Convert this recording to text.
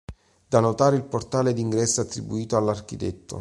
Da notare il portale d'ingresso attribuito all'arch.